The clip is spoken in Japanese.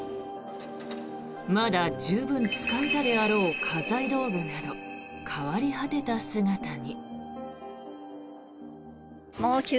まだ十分使えたであろう家財道具など変わり果てた姿に。